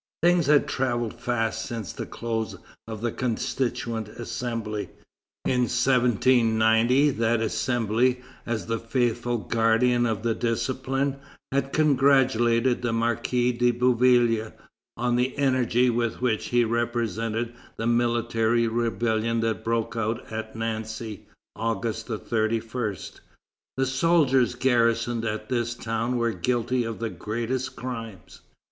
Things had travelled fast since the close of the Constituent Assembly. In 1790, that Assembly, as the faithful guardian of discipline, had congratulated the Marquis de Bouillé on the energy with which he repressed the military rebellion that broke out at Nancy, August 31. The soldiers garrisoned at this town were guilty of the greatest crimes.